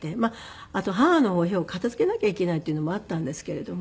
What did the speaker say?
あと母のお部屋を片付けなきゃいけないっていうのもあったんですけれども。